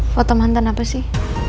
foto mantan apa sih